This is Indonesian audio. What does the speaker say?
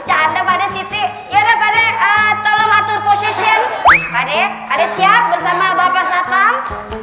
ada kata kata terakhir yang mau diucapkan